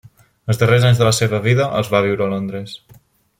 Els darrers anys de la seva vida els va viure a Londres.